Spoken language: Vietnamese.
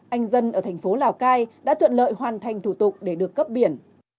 anh dân ở thành phố lào cai đã thuận lợi hoàn thành thủ tục để được cấp biển